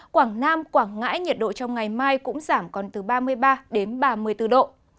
quảng nam quảng ngãi nhiệt độ trong ngày mai cũng giảm còn từ ba mươi ba đến ba mươi bốn độ